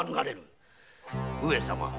上様。